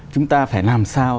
chúng ta phải làm sao